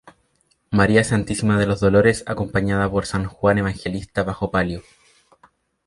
María Santísima de los Dolores acompañada por San Juan Evangelista bajo palio.